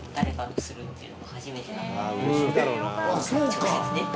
直接ね。